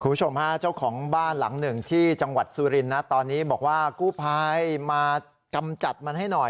คุณผู้ชมฮะเจ้าของบ้านหลังหนึ่งที่จังหวัดสุรินทร์นะตอนนี้บอกว่ากู้ภัยมากำจัดมันให้หน่อย